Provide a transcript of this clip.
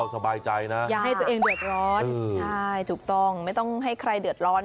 สบายใจนะอย่าให้ตัวเองเดือดร้อนใช่ถูกต้องไม่ต้องให้ใครเดือดร้อน